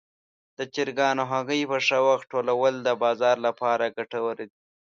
د چرګانو هګۍ په ښه وخت ټولول د بازار لپاره ګټور دي.